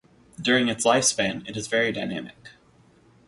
During its lifespan, it is very dynamic.